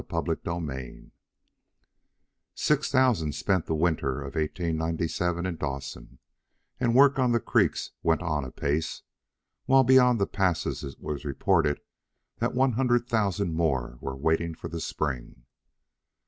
CHAPTER XIII Six thousand spent the winter of 1897 in Dawson, work on the creeks went on apace, while beyond the passes it was reported that one hundred thousand more were waiting for the spring.